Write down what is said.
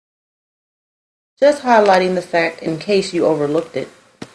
Just highlighting that fact in case you overlooked it.